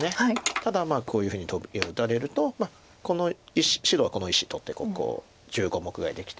ただこういうふうにトビを打たれるとこの白はこの１子取ってここを１５目ぐらいできて。